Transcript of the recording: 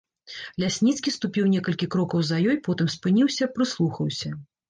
Лясніцкі ступіў некалькі крокаў за ёй, потым спыніўся, прыслухаўся.